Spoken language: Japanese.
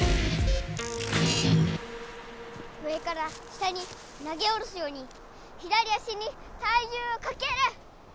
上から下に投げ下ろすように左足にたいじゅうをかける！